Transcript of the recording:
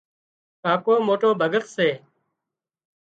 ڪاڪو موٽو ڀڳت سي